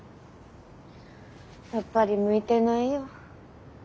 やっぱり向いてないよ。